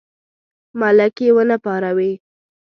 ملک یې ونه پاروي.